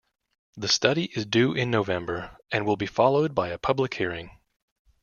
The study is due in November, and will be followed by a public hearing.